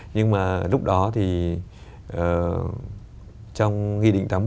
nhưng mà lúc đó thì trong nghị định tám mươi